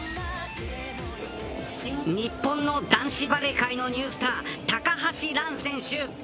新日本の男子バレー界のニュースター高橋藍選手。